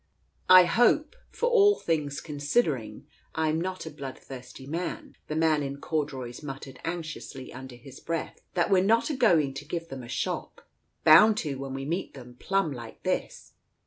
"I hope — for all things considering, I'm not a blood thirsty man," the man in corduroys muttered anxiously under his breath, "that we're not a going to give them a shock ! Bound to, when we meet them plumb like this